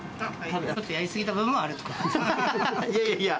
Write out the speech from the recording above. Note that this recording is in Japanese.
ちょっとやり過ぎた部分はあいやいやいや。